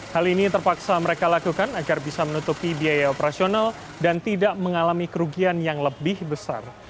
hal ini terpaksa mereka lakukan agar bisa menutupi biaya operasional dan tidak mengalami kerugian yang lebih besar